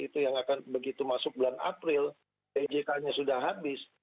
itu yang akan begitu masuk bulan april pjk nya sudah habis